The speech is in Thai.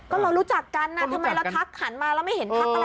ก็เรารู้จักกันทำไมเราทักหันมาแล้วไม่เห็นทักอะไร